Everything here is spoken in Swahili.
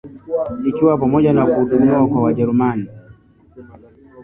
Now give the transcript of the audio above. ikiwa pamoja na kuhudumiwa kwa majeruhi